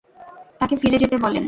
তাকে ফিরে যেতে বলেন।